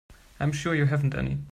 I'm sure you haven't any.